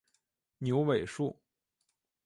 牛尾树